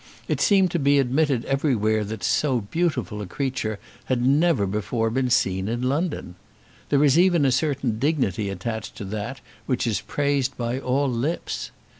It seemed to be admitted everywhere that so beautiful a creature had never before been seen in London. There is even a certain dignity attached to that which is praised by all lips.